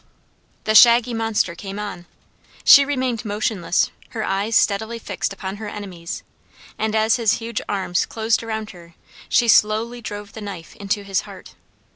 The shaggy monster came on. She remained motionless, her eyes steadily fixed upon her enemy's, and, as his huge arms closed around her, she slowly drove the knife into his heart.